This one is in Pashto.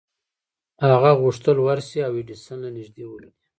هغه غوښتل ورشي او ایډېسن له نږدې وويني.